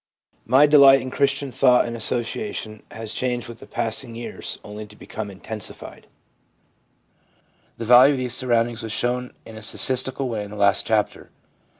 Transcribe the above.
My delight in Christian thought and asso ciation has changed with the passing years only to become intensified/ The value of these surroundings was shown in a statistical way in the last chapter.